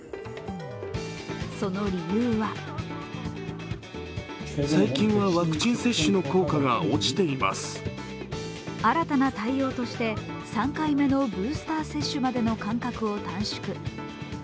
その理由は新たな対応として、３回目のブースター接種までの間隔を短縮。